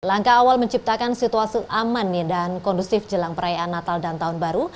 langkah awal menciptakan situasi aman dan kondusif jelang perayaan natal dan tahun baru